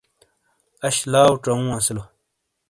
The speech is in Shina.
اش لاؤ ژوں اسیلو۔